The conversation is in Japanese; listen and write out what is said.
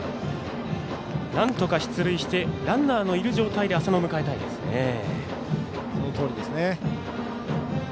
なんとか出塁してランナーのいる状態で浅野を迎えたいですね。